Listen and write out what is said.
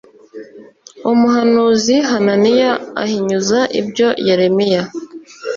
Umuhanuzi Hananiya ahinyuza ibyo Yeremiya